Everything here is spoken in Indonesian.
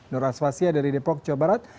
noras fasia dari depok jawa barat